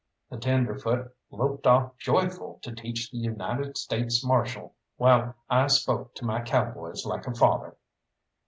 That tenderfoot loped off joyful to teach the United States Marshal, while I spoke to my cowboys like a father.